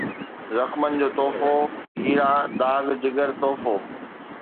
زخمن جو تحفو ، هيرا ، داغ ، جگر ، تحفو